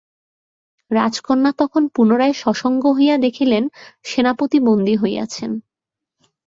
রাজকন্যা তখন পুনরায় সসংজ্ঞ হইয়া দেখিলেন, সেনাপতি বন্দী হইয়াছেন।